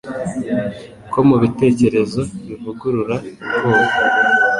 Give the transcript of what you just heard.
ko mubitekerezo bivugurura ubwoba